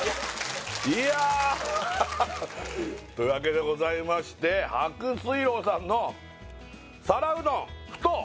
いやっ！というわけでございまして伯水楼さんの皿うどん太！